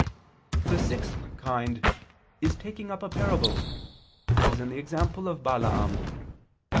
The sixth kind is taking up a parable, as in the example of Balaam (Num.